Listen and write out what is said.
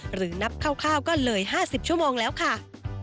หรือนับคร่าวก็เลย๕๐ชั่วโมงแล้วค่ะ